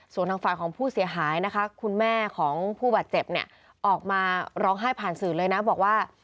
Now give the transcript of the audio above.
ส่วนทางฝ่ายของผู้เสียหายนะคะคุณแม่ของผู้บาดเจ็บเนี่ยออกมาร้องไห้ผ่านสื่อเลยนะบอกว่า